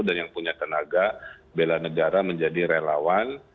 dan yang punya tenaga bela negara menjadi relawan